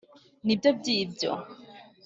ni byo by’ibyo.